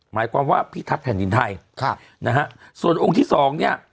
หมายความว่าพิทักษ์แผ่นดินไทยนะฮะส่วนองค์ที่สองเนี่ย